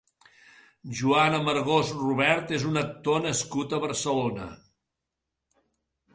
Joan Amargós Rubert és un actor nascut a Barcelona.